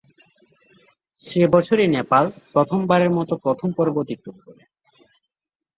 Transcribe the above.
সেই বছরই নেপাল প্রথমবারের মত প্রথম পর্ব অতিক্রম করে।